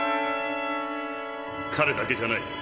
彼だけじゃない。